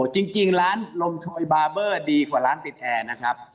จริงร้านลมโชยบาร์เบอร์ดีกว่าร้านติดแอร์นะครับ